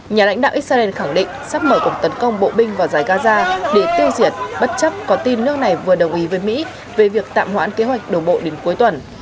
nhà lãnh đạo israel khẳng định sắp mở cuộc tấn công bộ binh vào giải gaza để tiêu diệt bất chấp có tin nước này vừa đồng ý với mỹ về việc tạm hoãn kế hoạch đổ bộ đến cuối tuần